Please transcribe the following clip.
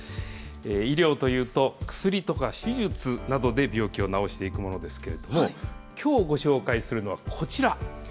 医療というと、薬とか手術などで病気を治していくものですけれども、きょうご紹介するのはこちら。